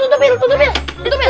tutup ya tutup ya tutup ya